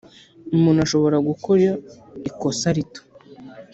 umuntu ashobora gukora ikosa rito,